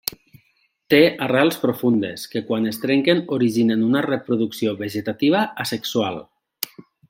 Té arrels profundes que quan es trenquen originen una reproducció vegetativa asexual.